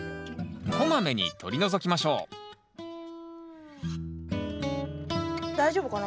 こまめに取り除きましょう大丈夫かな。